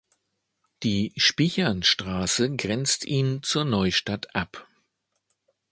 Die Spichernstraße grenzt ihn zur Neustadt ab.